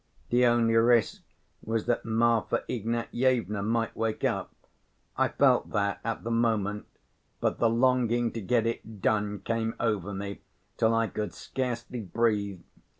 The only risk was that Marfa Ignatyevna might wake up. I felt that at the moment, but the longing to get it done came over me, till I could scarcely breathe.